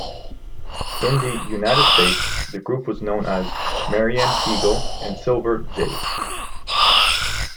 In the United States the group was known as Marianne Segal and Silver Jade.